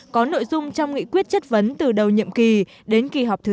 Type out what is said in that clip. có nội dung trong nghị quyết chất vấn từ đầu nhiệm kỳ đến kỳ họp thứ tám